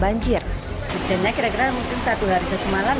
banjirnya kira kira mungkin satu hari satu malam ya